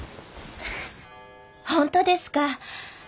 本当ですか！